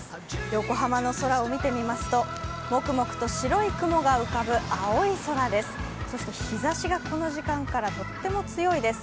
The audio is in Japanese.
横浜の空を見てみますと、もくもくと白い雲が浮かぶ青い空です。